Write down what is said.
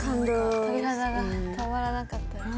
鳥肌が止まらなかったです。